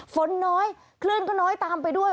ฝนน้อยคลื่นก็น้อยตามไปด้วย